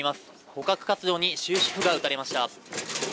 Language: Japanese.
捕獲活動に終止符が打たれました。